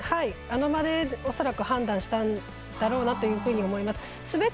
あの場で恐らく判断したんだろうなというふうに思います。